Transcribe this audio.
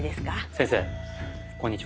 先生こんにちは。